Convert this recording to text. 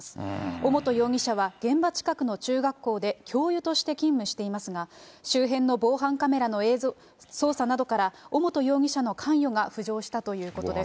尾本容疑者は現場近くの中学校で教諭として勤務していますが、周辺の防犯カメラの捜査などから、尾本容疑者の関与が浮上したということです。